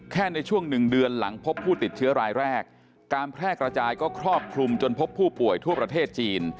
ในช่วงหนึ่งเดือนหลังพบผู้ติดเชื้อรายแรกการแพร่กระจายก็ครอบคลุมจนพบผู้ป่วยทั่วประเทศจีน